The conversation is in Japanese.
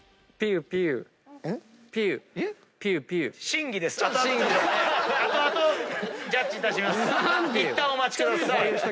いったんお待ちください。